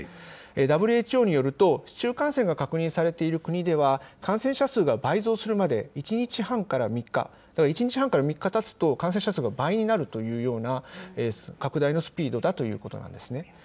ＷＨＯによると、市中感染が確認されている国では、感染者数が倍増するまで、１日半から３日、１日半から３日たつと、感染者数が倍になるというような拡大のスピードだということなんですね。